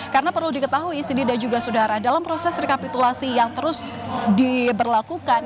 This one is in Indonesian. karena perlu diketahui sendiri dan juga saudara dalam proses rekapitulasi yang terus diberlakukan